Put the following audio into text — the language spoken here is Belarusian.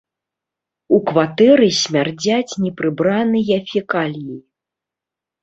У кватэры смярдзяць непрыбраныя фекаліі.